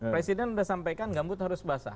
presiden sudah sampaikan gambut harus basah